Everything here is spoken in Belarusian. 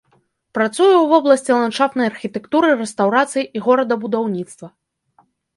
Працуе ў вобласці ландшафтнай архітэктуры, рэстаўрацыі і горадабудаўніцтва.